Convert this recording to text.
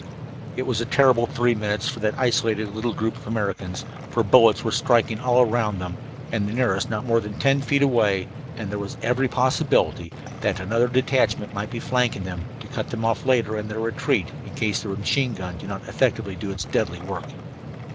It was a terrible three minutes for that isolated little group of Americans, for bullets were striking all around them, the nearest not more than ten feet away, and there was every possibility that another detachment might be flanking them, to cut them off later in their retreat, in case the machine gun did not effectively do its deadly work.